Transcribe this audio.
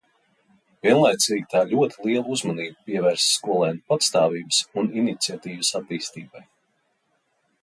Vienlaicīgi tā ļoti lielu uzmanību pievērsa skolēnu patstāvības un iniciatīvas attīstībai.